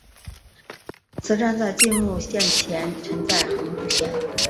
此站在进入线前存在横渡线。